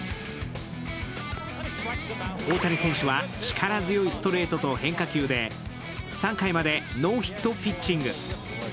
大谷選手は力強いストレートと変化球で、３回までノーヒットピッチング。